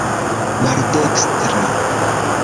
maldekstra